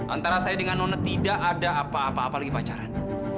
antara saya dengan nona tidak ada apa apa apa lagi pacaran